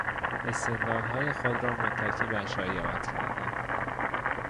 استدلالهای خود را متکی بر شایعات کردن